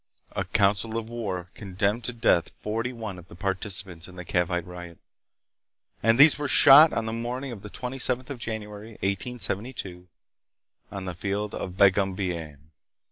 A council of war condemned to death forty one of the participants in the Cavite riot, and these were shot on the morning of the 27th of January, 1872, on the Field of Bagumbayan.